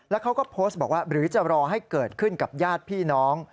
แล้วเขาก็โพสต์บอกว่าหรือจะรอให้เกิดขึ้นกับญาติพี่น้อง